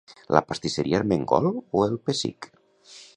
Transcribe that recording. La pastisseria Armengol o el Pessic?